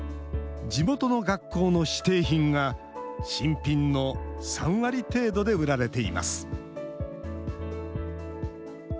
地元の学校の指定品が新品の３割程度で売られています。